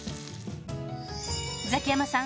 ザキヤマさん